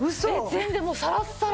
全然もうサラッサラ！